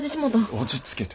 落ち着けて。